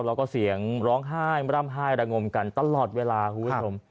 แล้วก็เสียงร้องไห้ร่ำไห้ระงมกันตลอดเวลาคุณผู้ชม